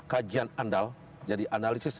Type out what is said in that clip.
kajian andal jadi analisis